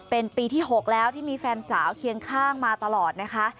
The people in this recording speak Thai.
เป็นปีที่๖แล้วที่มีแฟนสาวเคียงข้างมาตลอดนะคะ